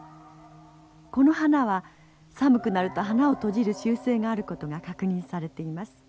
この花は寒くなると花を閉じる習性があることが確認されています。